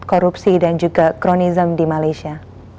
korupsi dan juga kronism di malaysia